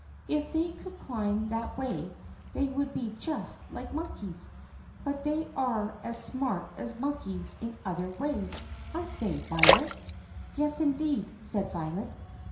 "If they could climb that way they would be just like monkeys. But they are as smart as monkeys in other ways, are n't they, Violet?" "Yes, indeed," said Violet.